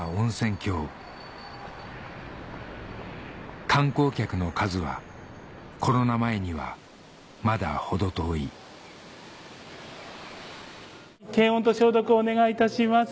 郷観光客の数はコロナ前にはまだ程遠い検温と消毒をお願いいたします。